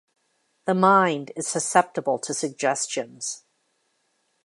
The mind is susceptible to suggestions.